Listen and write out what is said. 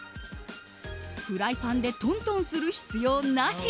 フライパンでトントンする必要なし！